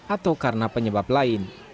atau karena penyebab lain